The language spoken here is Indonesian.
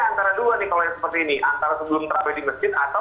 antara dua nih kalau yang seperti ini antara sebelum terawih di masjid atau